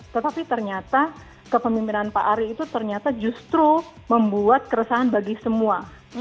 tetapi ternyata kepemimpinan pak ari itu ternyata justru membuat keresahan bagi semua